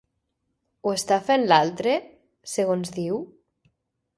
Ho està fent l'altre, segons diu?